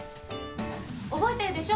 覚えてるでしょ？